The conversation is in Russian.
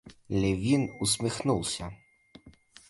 Левин усмехнулся.